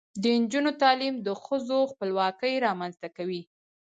د نجونو تعلیم د ښځو خپلواکۍ رامنځته کوي.